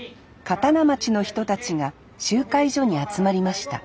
刀町の人たちが集会所に集まりました